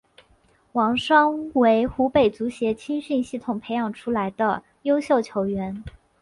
王霜为湖北足协青训系统培养出来的优秀球员。